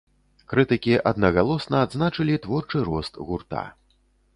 Крытыкі аднагалосна адзначылі творчы рост гурта.